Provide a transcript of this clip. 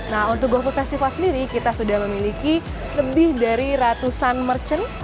nah untuk gofood festival sendiri kita sudah memiliki lebih dari ratusan merchant